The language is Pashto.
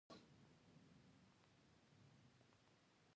په افغانستان کې کلتور خورا ډېر او ډېر زیات بنسټیز اهمیت لري.